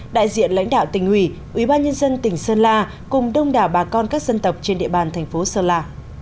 đại diện lãnh đạo tỉnh ủy ủy ban nhân dân tỉnh sơn la cùng đông đảo bà con các dân tộc trên địa bàn thành phố sơn la